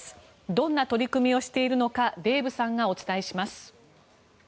どんな取り組みをしているのかデーブさんがお伝えします。